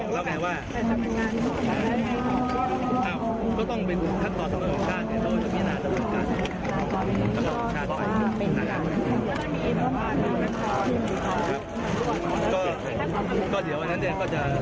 ก็เดี๋ยววันนั้นเนี่ยก็จะแกล้งความพิจารณ์กว่านาน